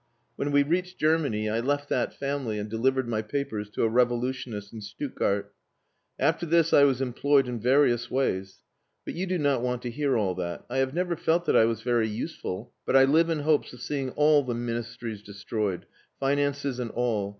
When we reached Germany I left that family and delivered my papers to a revolutionist in Stuttgart; after this I was employed in various ways. But you do not want to hear all that. I have never felt that I was very useful, but I live in hopes of seeing all the Ministries destroyed, finances and all.